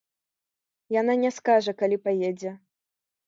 Яна не скажа, калі паедзе.